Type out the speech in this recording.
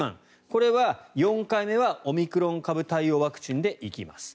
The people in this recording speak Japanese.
これは５回目接種はオミクロン株対応ワクチンになります。